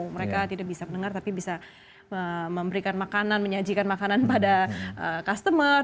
mereka tidak bisa mendengar tapi bisa memberikan makanan menyajikan makanan pada customer